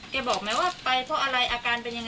บอกไหมว่าไปเพราะอะไรอาการเป็นยังไง